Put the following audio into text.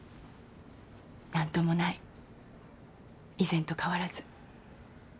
何ともない以前と変わらず。